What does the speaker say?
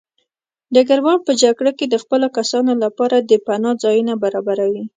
ډګروال په جګړه کې د خپلو کسانو لپاره د پناه ځایونه برابروي.